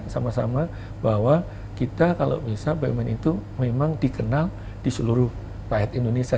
sama sama bahwa kita kalau bisa bumn itu memang dikenal di seluruh rakyat indonesia